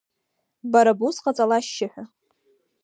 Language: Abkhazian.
Бара бус ҟаҵала ашьшьыҳәа!